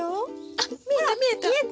あっ見えた見えた！